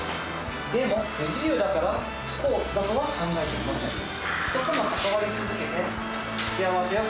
でも、不自由だから不幸だとは考えていません。